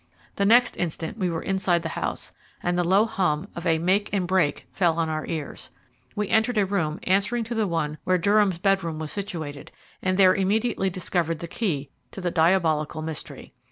The next instant we were inside the house, and the low hum of a "make and break" fell on our ears. We entered a room answering to the one where Durham's bedroom was situated, and there immediately discovered the key to the diabolical mystery.